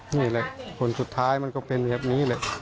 นี่แหละผลสุดท้ายมันก็เป็นแบบนี้แหละ